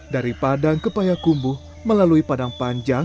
dari padang ke payakumbuh melalui padang panjang